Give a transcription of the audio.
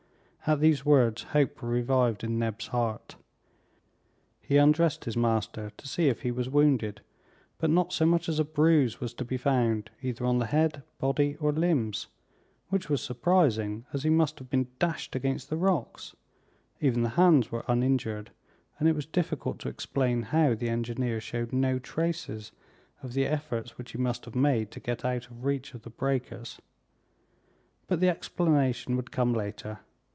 At these words hope revived in Neb's heart. He undressed his master to see if he was wounded, but not so much as a bruise was to be found, either on the head, body, or limbs, which was surprising, as he must have been dashed against the rocks; even the hands were uninjured, and it was difficult to explain how the engineer showed no traces of the efforts which he must have made to get out of reach of the breakers. But the explanation would come later.